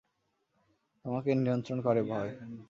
তোমাকে নিয়ন্ত্রণ করে ভয়!